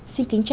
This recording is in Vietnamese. xin kính chào